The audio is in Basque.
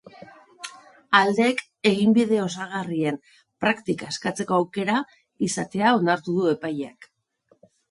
Aldeek eginbide osagarrien praktika eskatzeko aukera izatea onartu du epaileak.